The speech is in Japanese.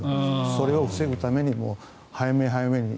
それを防ぐためにも早め早めに。